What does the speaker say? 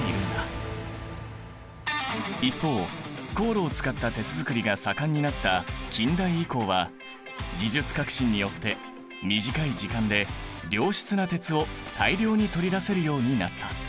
一方高炉を使った鉄づくりが盛んになった近代以降は技術革新によって短い時間で良質な鉄を大量に取り出せるようになった。